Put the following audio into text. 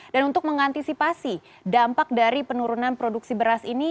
dan untuk mengantisipasi dampak dari penurunan produksi beras ini